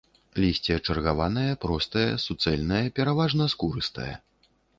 Лісце чаргаванае, простае, суцэльнае, пераважна скурыстае.